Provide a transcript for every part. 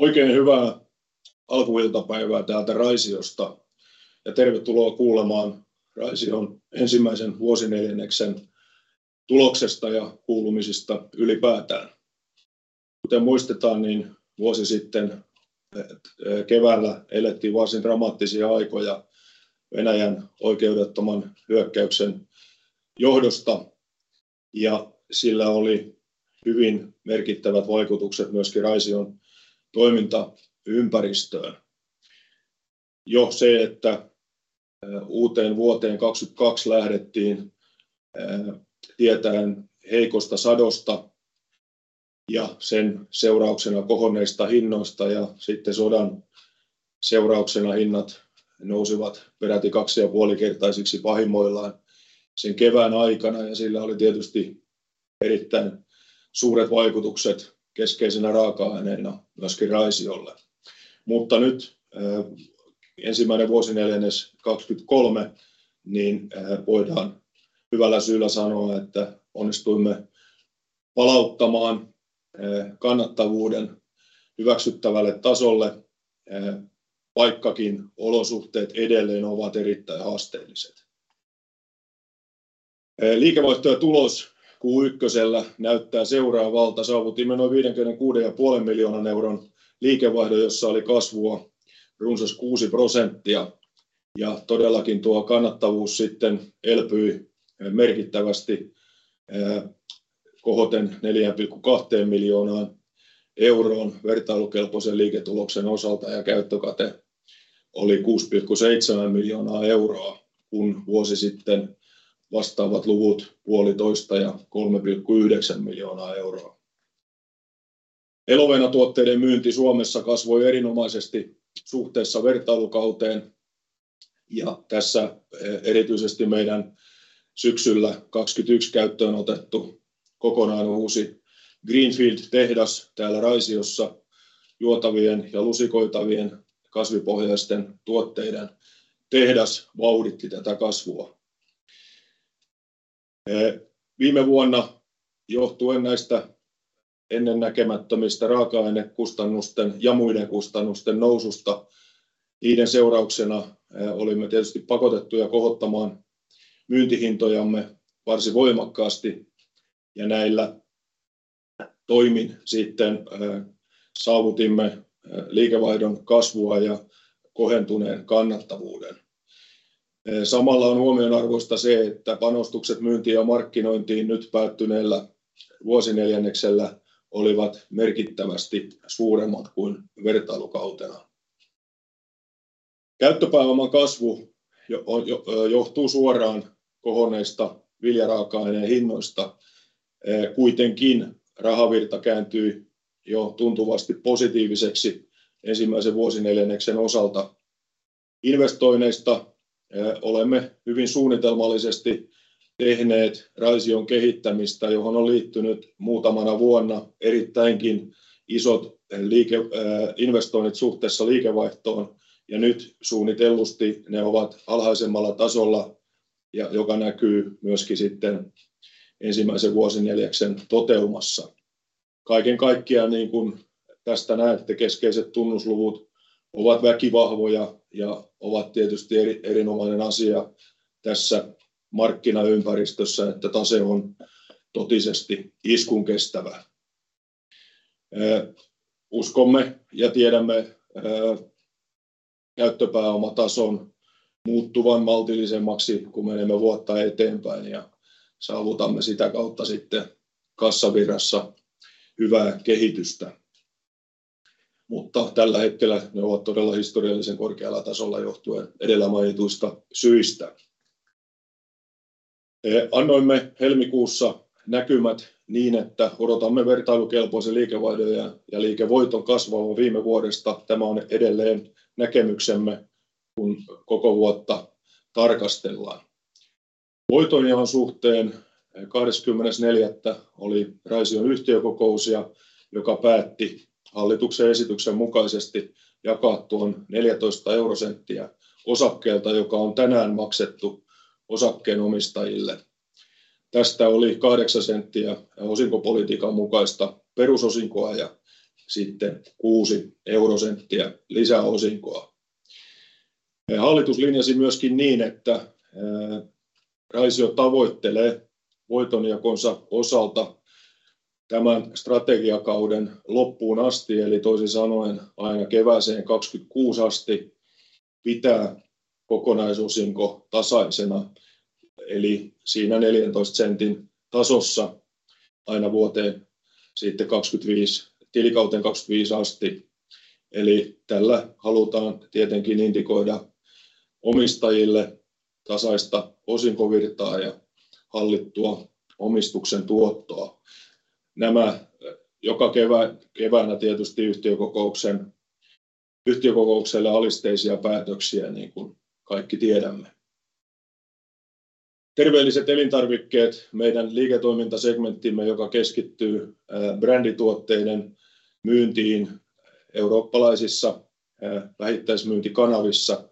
Oikein hyvää alkuiltapäivää täältä Raisiosta ja tervetuloa kuulemaan Raision ensimmäisen vuosineljänneksen tuloksesta ja kuulumisista ylipäätään. Kuten muistetaan, niin vuosi sitten keväällä elettiin varsin dramaattisia aikoja Venäjän oikeudettoman hyökkäyksen johdosta ja sillä oli hyvin merkittävät vaikutukset myöskin Raision toimintaympäristöön. Jo se, että uuteen vuoteen 2022 lähdettiin tietäen heikosta sadosta ja sen seurauksena kohonneista hinnoista ja sitten sodan seurauksena hinnat nousivat peräti 2.5 kertaisiksi pahimmoillaan sen kevään aikana ja sillä oli tietysti erittäin suuret vaikutukset keskeisenä raaka-aineena myöskin Raisiolle. Nyt ensimmäinen vuosineljännes 2023, niin voidaan hyvällä syyllä sanoa, että onnistuimme palauttamaan kannattavuuden hyväksyttävälle tasolle, vaikkakin olosuhteet edelleen ovat erittäin haasteelliset. Liikevaihto ja tulos. Q1:llä näyttää seuraavalta. Saavutimme noin EUR 56.5 million liikevaihdon, jossa oli kasvua runsas 6%. Todellakin tuo kannattavuus sitten elpyi merkittävästi kohoten EUR 4.2 million vertailukelpoisen liiketuloksen osalta ja käyttökate oli EUR 6.7 million, kun vuosi sitten vastaavat luvut EUR 1.5 million and EUR 3.9 million. Elovena tuotteiden myynti Suomessa kasvoi erinomaisesti suhteessa vertailukauteen ja tässä erityisesti meidän syksyllä 2021 käyttöön otettu kokonaan uusi greenfield tehdas täällä Raisiossa. Juotavien ja lusikoitavien kasvipohjaisten tuotteiden tehdas vauhditti tätä kasvua. Viime vuonna johtuen näistä ennennäkemättömistä raaka-ainekustannusten ja muiden kustannusten noususta, niiden seurauksena olimme tietysti pakotettuja kohottamaan myyntihintojamme varsin voimakkaasti, ja näillä toimin sitten saavutimme liikevaihdon kasvua ja kohentuneen kannattavuuden. Samalla on huomionarvoista se, että panostukset myyntiin ja markkinointiin nyt päättyneellä vuosineljänneksellä olivat merkittävästi suuremmat kuin vertailukautena. Käyttöpääoman kasvu johtuu suoraan kohonneista viljaraaka-aineen hinnoista. Kuitenkin rahavirta kääntyi jo tuntuvasti positiiviseksi ensimmäisen vuosineljänneksen osalta. Investoinneista olemme hyvin suunnitelmallisesti tehneet Raision kehittämistä, johon on liittynyt muutamana vuonna erittäinkin isot liikeinvestoinnit suhteessa liikevaihtoon, ja nyt suunnitellusti ne ovat alhaisemmalla tasolla, ja joka näkyy myöskin sitten ensimmäisen vuosineljänneksen toteumassa. Kaiken kaikkiaan, niin kuin tästä näette, keskeiset tunnusluvut ovat väkivahvoja ja ovat tietysti erinomainen asia tässä markkinaympäristössä, että tase on totisesti iskun kestävää. Uskomme ja tiedämme käyttöpääomatason muuttuvan maltillisemmaksi, kun menemme vuotta eteenpäin ja saavutamme sitä kautta sitten kassavirrassa hyvää kehitystä. Tällä hetkellä ne ovat todella historiallisen korkealla tasolla johtuen edellä mainituista syistä. Annoimme helmikuussa näkymät niin, että odotamme vertailukelpoisen liikevaihdon ja liikevoiton kasvavan viime vuodesta. Tämä on edelleen näkemyksemme, kun koko vuotta tarkastellaan. Voitonjaon suhteen 24th oli Raision yhtiökokous, joka päätti hallituksen esityksen mukaisesti jakaa tuon EUR 0.14 osakkeelta, joka on tänään maksettu osakkeenomistajille. Tästä oli EUR 0.08 osinkopolitiikan mukaista perusosinkoa ja sitten EUR 0.06 lisäosinkoa. Hallitus linjasi myöskin niin, että Raisio tavoittelee voitonjakonsa osalta tämän strategiakauden loppuun asti. Toisin sanoen aina kevääseen 2026 asti pitää kokonaisosinko tasaisena eli siinä EUR 0.14 tasossa aina vuoteen sitten 2025 tilikauteen 2025 asti. Tällä halutaan tietenkin indikoida omistajille tasaista osinkovirtaa ja hallittua omistuksen tuottoa. Nämä joka keväänä tietysti yhtiökokoukselle alisteisia päätöksiä, niin kuin kaikki tiedämme. Terveelliset elintarvikkeet. Meidän liiketoimintasegmenttimme, joka keskittyy brändituotteiden myyntiin eurooppalaisissa vähittäismyyntikanavissa.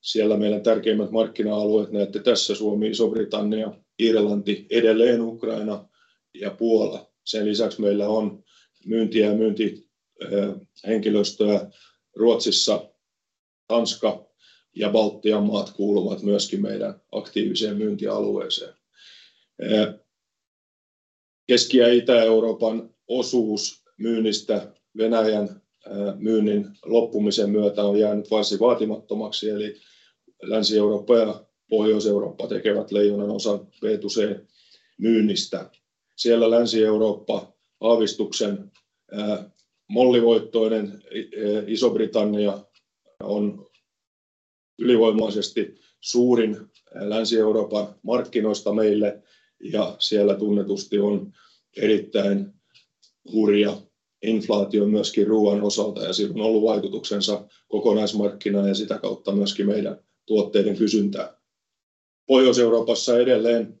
Siellä meidän tärkeimmät markkina-alueet. Näette tässä Suomi, Iso-Britannia, Irlanti, edelleen Ukraina ja Puola. Sen lisäksi meillä on myyntiä ja myyntihenkilöstöä Ruotsissa. Tanska ja Baltian maat kuuluvat myöskin meidän aktiiviseen myyntialueeseen. Keski- ja Itä-Euroopan osuus myynnistä Venäjän myynnin loppumisen myötä on jäänyt varsin vaatimattomaksi eli Länsi-Eurooppa ja Pohjois-Eurooppa tekevät leijonanosan B2C-myynnistä. Siellä Länsi-Eurooppa aavistuksen mollivoittoinen. Iso-Britannia on ylivoimaisesti suurin Länsi-Euroopan markkinoista meille ja siellä tunnetusti on erittäin hurja inflaatio myöskin ruoan osalta ja sillä on ollut vaikutuksensa kokonaismarkkinaan ja sitä kautta myöskin meidän tuotteiden kysyntään. Pohjois-Euroopassa edelleen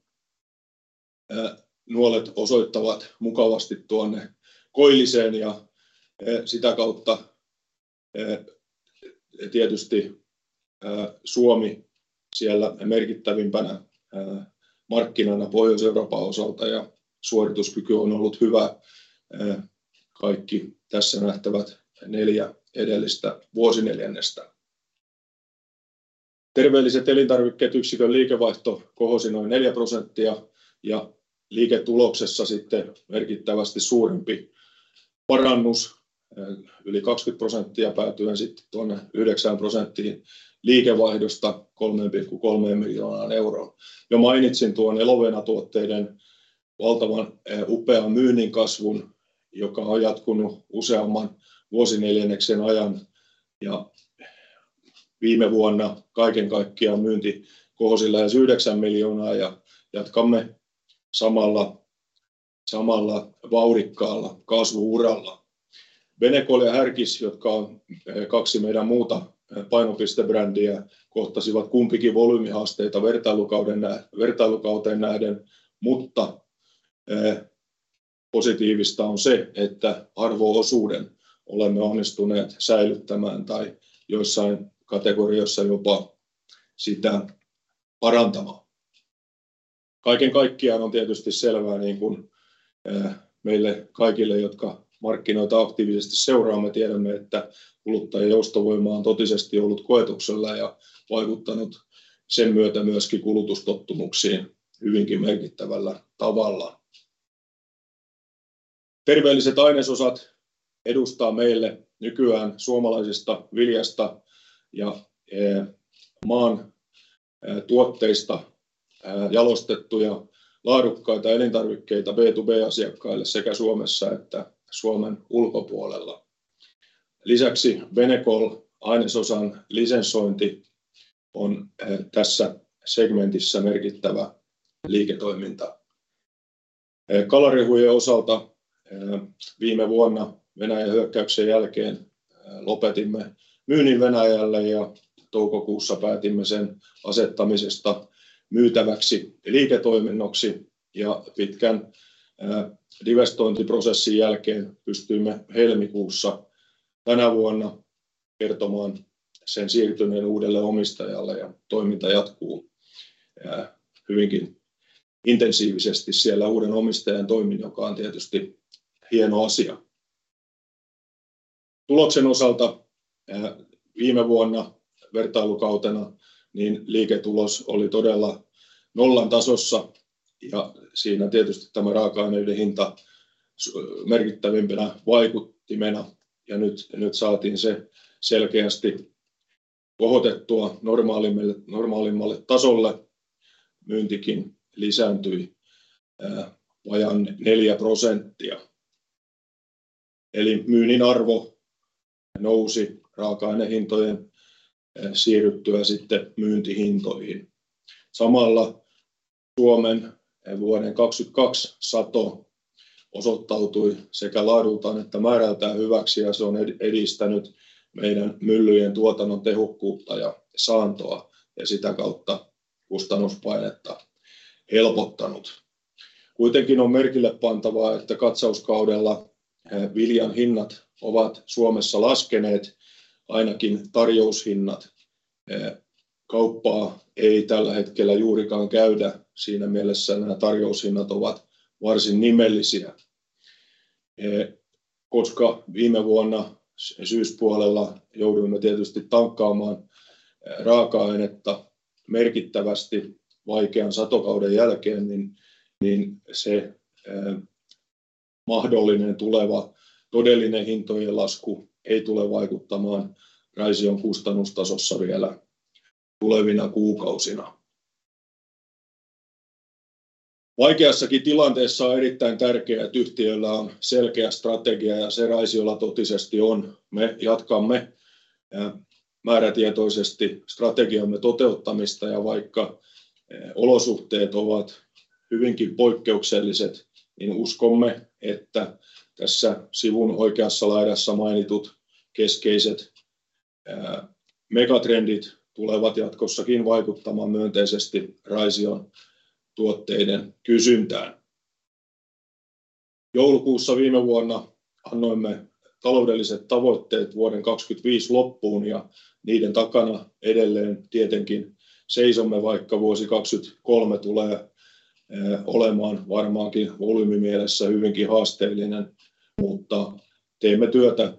nuolet osoittavat mukavasti tuonne koilliseen ja sitä kautta. Tietysti Suomi siellä merkittävimpänä markkinana Pohjois-Euroopan osalta ja suorituskyky on ollut hyvä. Kaikki tässä nähtävät 4 edellistä vuosineljännestä. Terveelliset elintarvikkeet yksikön liikevaihto kohosi noin 4% ja liiketuloksessa sitten merkittävästi suurempi parannus yli 20% päätyen sitten tuonne 9% liikevaihdosta EUR 3.3 million. Jo mainitsin tuon Elovena-tuotteiden valtavan upean myynnin kasvun, joka on jatkunut useamman vuosineljänneksen ajan ja viime vuonna kaiken kaikkiaan myynti kohosi lähes EUR 9 million ja jatkamme samalla vauhdikkaalla kasvu-uralla. Benecol ja Härkis, jotka on kaksi meidän muuta painopistebrändiä, kohtasivat kumpikin volyymihaasteita vertailukauteen nähden, mutta positiivista on se, että arvo-osuuden olemme onnistuneet säilyttämään tai joissain kategorioissa jopa sitä parantamaan. Kaiken kaikkiaan on tietysti selvää, niin kuin meille kaikille, jotka markkinoita aktiivisesti seuraamme, tiedämme, että kuluttajien ostovoima on totisesti ollut koetuksella ja vaikuttanut sen myötä myöskin kulutustottumuksiin hyvinkin merkittävällä tavalla. Terveelliset ainesosat edustaa meille nykyään suomalaisesta viljasta ja maan tuotteista jalostettuja laadukkaita elintarvikkeita B2B-asiakkaille sekä Suomessa että Suomen ulkopuolella. Benecol-ainesosan lisensointi on tässä segmentissä merkittävä liiketoiminta. Kalarehujen osalta viime vuonna Venäjän hyökkäyksen jälkeen lopetimme myynnin Venäjälle ja toukokuussa päätimme sen asettamisesta myytäväksi liiketoiminnoksi ja pitkän divestointiprosessin jälkeen pystyimme helmikuussa tänä vuonna kertomaan sen siirtyneen uudelle omistajalle ja toiminta jatkuu hyvinkin intensiivisesti siellä uuden omistajan toimin, joka on tietysti hieno asia. Tuloksen osalta viime vuonna vertailukautena niin liiketulos oli todella nollan tasossa ja siinä tietysti tämä raaka-aineiden hinta merkittävimpänä vaikuttimena. Nyt saatiin se selkeästi kohotettua normaalimmalle tasolle. Myyntikin lisääntyi vajaan 4%, eli myynnin arvo nousi raaka-ainehintojen siirryttyä sitten myyntihintoihin. Suomen vuoden 2022 sato osoittautui sekä laadultaan että määrältään hyväksi ja se on edistänyt meidän myllyjen tuotannon tehokkuutta ja saantoa ja sitä kautta kustannuspainetta helpottanut. On merkillepantavaa, että katsauskaudella viljan hinnat ovat Suomessa laskeneet ainakin tarjoushinnat. Kauppaa ei tällä hetkellä juurikaan käydä. Siinä mielessä nämä tarjoushinnat ovat varsin nimellisiä. Koska viime vuonna syyspuolella jouduimme tietysti tankkaamaan raaka-ainetta merkittävästi vaikean satokauden jälkeen, niin se mahdollinen tuleva todellinen hintojen lasku ei tule vaikuttamaan Raision kustannustasossa vielä tulevina kuukausina. Vaikeassakin tilanteessa on erittäin tärkeää, että yhtiöllä on selkeä strategia ja se Raisiolla totisesti on. Me jatkamme määrätietoisesti strategiamme toteuttamista ja vaikka olosuhteet ovat hyvinkin poikkeukselliset, niin uskomme, että tässä sivun oikeassa laidassa mainitut keskeiset megatrendit tulevat jatkossakin vaikuttamaan myönteisesti Raision tuotteiden kysyntään. Joulukuussa viime vuonna annoimme taloudelliset tavoitteet vuoden 2025 loppuun ja niiden takana edelleen tietenkin seisomme. Vaikka vuosi 2023 tulee olemaan varmaankin volyymimielessä hyvinkin haasteellinen, mutta teemme työtä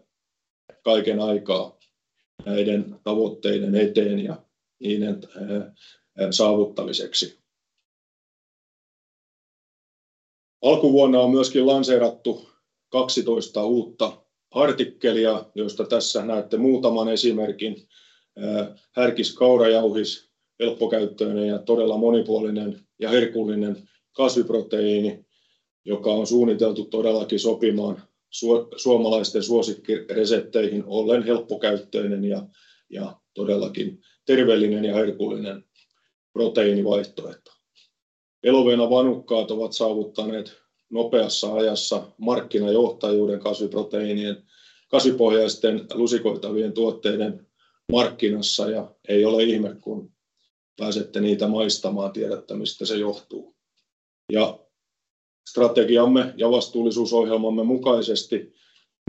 kaiken aikaa näiden tavoitteiden eteen ja niiden saavuttamiseksi. Alkuvuonna on myöskin lanseerattu 12 uutta artikkelia, joista tässä näette muutaman esimerkin. Härkis Kaurajauhis, helppokäyttöinen ja todella monipuolinen ja herkullinen kasviproteiini, joka on suunniteltu todellakin sopimaan suomalaisten suosikkiresepteihin ollen helppokäyttöinen ja todellakin terveellinen ja herkullinen proteiinivaihtoehto. Elovena vanukkaat ovat saavuttaneet nopeassa ajassa markkinajohtajuuden kasviproteiinien kasvipohjaisten lusikoitavien tuotteiden markkinassa. Ei ole ihme, kun pääsette niitä maistamaan, tiedätte mistä se johtuu. Strategiamme ja vastuullisuusohjelmamme mukaisesti,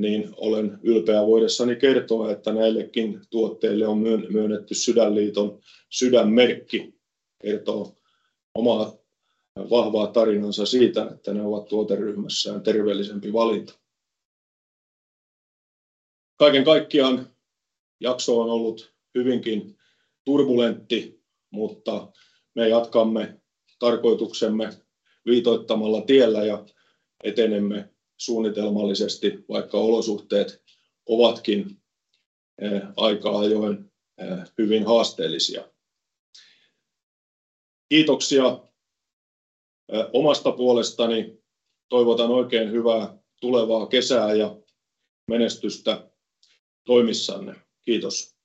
niin olen ylpeä voidessani kertoa, että näillekin tuotteille on myönnetty Sydänliiton Sydänmerkki. Kertoo oman vahvaa tarinansa siitä, että ne ovat tuoteryhmässään terveellisempi valinta. Kaiken kaikkiaan jakso on ollut hyvinkin turbulentti, mutta me jatkamme tarkoituksemme viitoittamalla tiellä ja etenemme suunnitelmallisesti, vaikka olosuhteet ovatkin aika ajoin hyvin haasteellisia. Kiitoksia omasta puolestani. Toivotan oikein hyvää tulevaa kesää ja menestystä toimissanne. Kiitos!